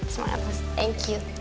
semangat mas thank you